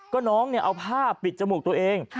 ก็น้องเอาผ้าปิดจมูกตัวเอง